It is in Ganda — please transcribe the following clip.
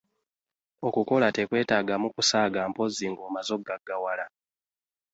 Okukola tekwetaagamu kusaaga mpozzi ng'omaze okugaggawala.